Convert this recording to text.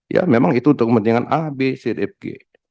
ya memang itu kepentingan a b c d f g